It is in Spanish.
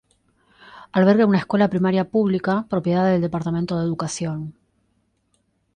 Alberga una escuela primaria pública, propiedad del Departamento de Educación.